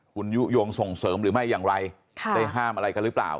คุณยุโยงส่งเสริมหรือไม่อย่างไรได้ห้ามอะไรกันหรือเปล่า